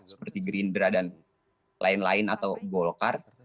seperti gerindra dan lain lain atau golkar